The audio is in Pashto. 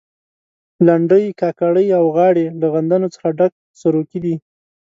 لنډۍ، کاکړۍ او غاړې له غندنو څخه ډک سروکي دي.